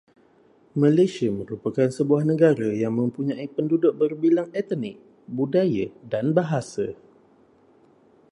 Malaysia merupakan sebuah negara yang mempunyai penduduk berbilang etnik, budaya dan bahasa